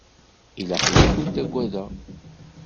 Ilaq-iyi ad kent-agadeɣ?